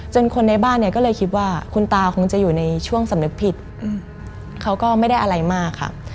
คนในบ้านเนี่ยก็เลยคิดว่าคุณตาคงจะอยู่ในช่วงสำนึกผิดเขาก็ไม่ได้อะไรมากค่ะ